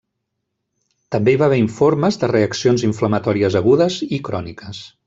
També hi va haver informes de reaccions inflamatòries agudes i cròniques.